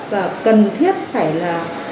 và cần thiết phải là